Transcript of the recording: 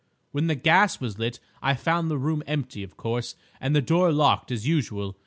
When the gas was lit I found the room empty, of course, and the door locked as usual.